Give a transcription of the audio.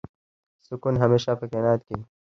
سکون همېشه په قناعت کې وي.